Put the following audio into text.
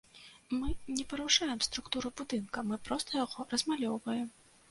Мы не парушаем структуру будынка, мы проста яго размалёўваем.